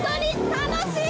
楽しい？